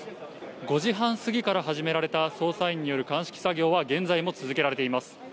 ５時半過ぎから始められた捜査員による鑑識作業は現在も続けられています。